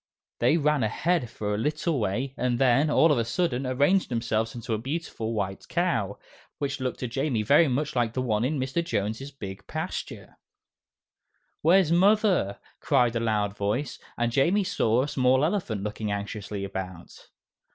They ran ahead for a little way and then, all of a sudden, arranged themselves into a beautiful white cow, which looked to Jamie very much like the one in Mr. Jones' big pasture. "Where's Mother?" cried a loud voice, and Jamie saw a small elephant looking anxiously about.